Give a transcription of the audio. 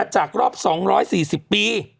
จากรอบ๒๔๐ปี